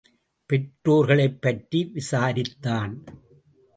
பெற்றோர்களைப் பற்றி விசாரித்தான்.